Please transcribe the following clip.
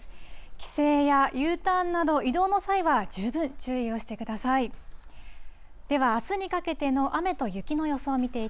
帰省やＵターンなど、移動の際は、十分注意をしてください。